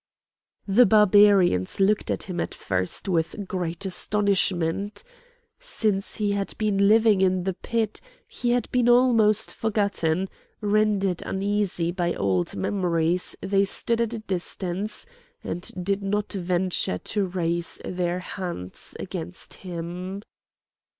The Barbarians looked at him at first with great astonishment. Since he had been living in the pit he had been almost forgotten; rendered uneasy by old memories they stood at a distance and did not venture to raise their hands against him.